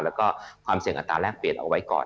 แล้วก็ความเสี่ยงอัตราแรกเปลี่ยนเอาไว้ก่อน